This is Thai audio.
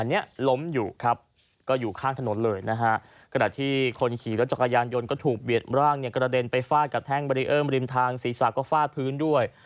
อันนี้ล้มอยู่ครับก็อยู่ข้างถนนเลยนะฮะขณะที่คนขี่รถจักรยานยนต์ก็ถูกเบียดร่างเนี่ยกระเด็นไปฟาดกับแท่งเบรีเอิมริมทางศีรษะก็ฟาดพื้นด้วย